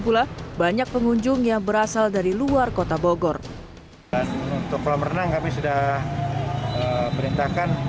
pula banyak pengunjung yang berasal dari luar kota bogor untuk kolam renang kami sudah perintahkan